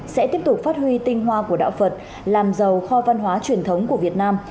sẽ tiếp tục phát huy tinh hoa của đạo phật làm giàu kho văn hóa truyền thống của việt nam